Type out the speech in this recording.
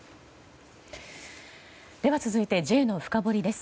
では続いてＪのフカボリです。